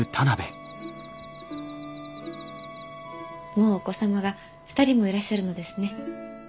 もうお子様が２人もいらっしゃるのですね。